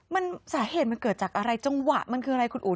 มันสาเหตุมันเกิดจากอะไรจังหวะมันคืออะไรคุณอุ๋